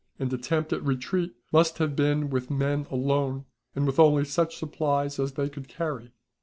An attempt at retreat must have been with men alone, and with only such supplies as they could carry.